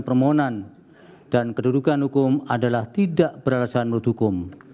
permohonan dan kedudukan hukum adalah tidak beralasan menurut hukum